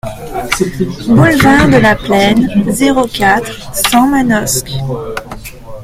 Boulevard de la Plaine, zéro quatre, cent Manosque